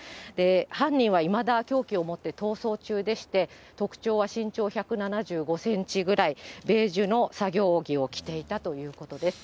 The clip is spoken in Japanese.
犯人はいまだ凶器を持って逃走中でして、特長は身長１７５センチぐらい、ベージュの作業着を着ていたということです。